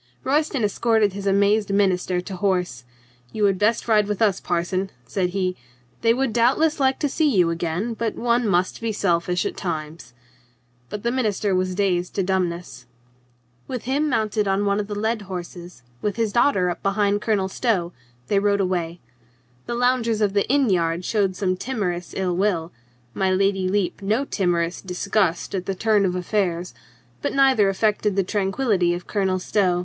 Royston escorted his amazed minister to horse. "You had best ride with us, parson," said he. "They would doubtless like to see you again, but one must be selfish at times." But the minister was dazed to dumbness. With him mounted on one of the led horses, with his daughter up behind Colonel Stow, they rode away. The loungers of the inn yard showed some timorous ill will, my Lady Lepe no timorous disgust at the turn of affairs, but neither affected the tran quillity of Colonel Stow.